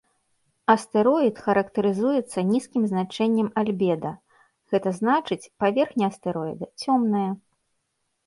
Астэроід характарызуецца нізкім значэннем альбеда, гэта значыць паверхня астэроіда цёмная.